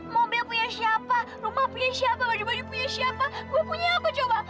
mobil punya siapa rumah punya siapa baju baju punya siapa gue punya apa coba